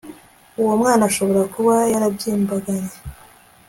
uwo mwana ashobora kuba yarabyimbaganye